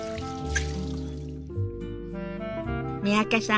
三宅さん